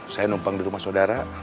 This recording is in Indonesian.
saya numpang di rumah saudara